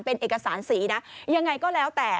เป็นเอกสารสีนะยังไงก็แล้วแต่